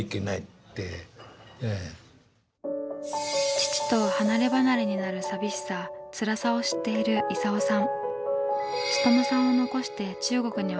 父と離れ離れになる寂しさつらさを知っている功さん。